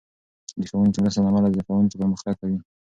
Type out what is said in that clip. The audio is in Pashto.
د ښوونکې مرستې له امله، زده کوونکي پرمختګ کوي.